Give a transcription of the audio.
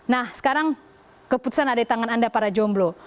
nah sekarang keputusan ada di tangan anda para jomblo